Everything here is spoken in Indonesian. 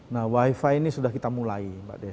nah wifi ini sudah kita mulai